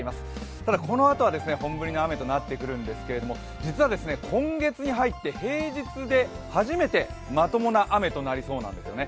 ただ、このあとは本降りの雨となってくるんですけれども、実は今月に入って平日で初めてまともな雨となりそうなんですよね。